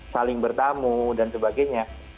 saling bertamu dan sebagainya